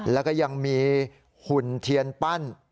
แล้วก็ยังมีหุ่นเทียนปั้น